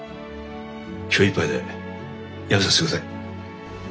今日いっぱいでやめさせてください。